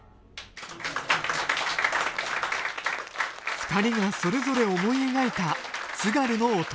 ２人がそれぞれ思い描いた津軽の音。